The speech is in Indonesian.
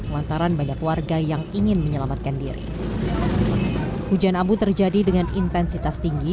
lantaran banyak warga yang ingin menyelamatkan diri hujan abu terjadi dengan intensitas tinggi